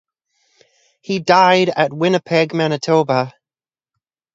He died at Winnipeg, Manitoba.